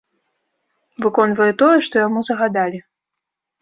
Выконвае тое, што яму загадалі.